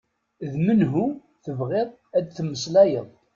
D menhu tebɣiḍ ad tmeslayeḍ?